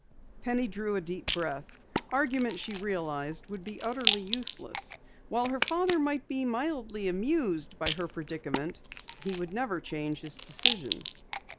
Penny drew a deep breath. Argument, she realized, would be utterly useless. While her father might be mildly amused by her predicament, he never would change his decision.